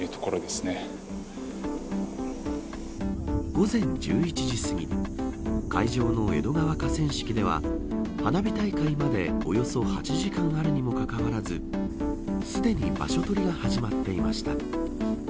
午前１１時すぎ会場の江戸川河川敷では花火大会までおよそ８時間あるにもかかわらずすでに場所取りが始まっていました。